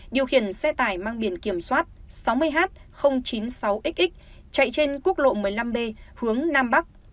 điều khiển xe tải mang biển kiểm soát sáu mươi h chín mươi sáu xx chạy trên quốc lộ một mươi năm b hướng nam bắc